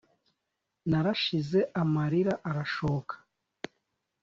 Narashize amarira arashoka